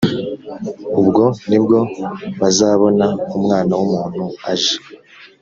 Ubwo ni bwo bazabona umwana w umuntu aje